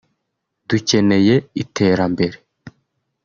Dukeneye iterambere